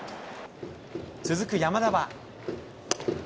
続く山田は。